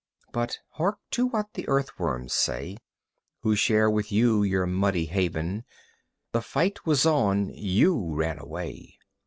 But hark to what the earthworms say Who share with you your muddy haven: "The fight was on you ran away.